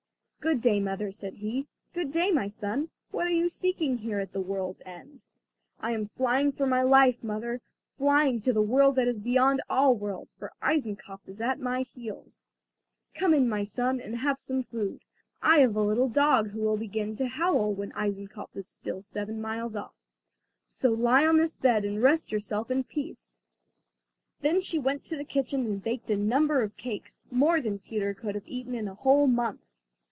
"Good day, mother," said he. "Good day, my son! What are you seeking here at the world's end?" "I am flying for my life, mother, flying to the world that is beyond all worlds, for Eisenkopf is at my heels." "Come in, my son, and have some food. I have a little dog who will begin to howl when Eisenkopf is still seven miles off; so lie on this bed and rest yourself in peace." Then she went to the kitchen and baked a number of cakes, more than Peter could have eaten in a whole month.